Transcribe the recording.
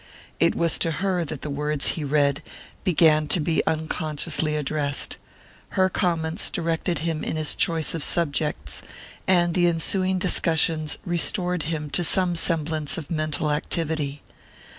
It was to her that the words he read began to be unconsciously addressed; her comments directed him in his choice of subjects, and the ensuing discussions restored him to some semblance of mental activity.